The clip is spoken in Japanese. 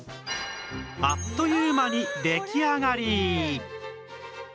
あっという間に出来上がり！